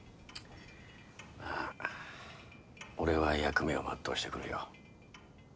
まあ俺は役目を全うしてくるよ。